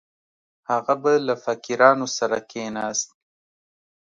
هغه به له فقیرانو سره کښېناست.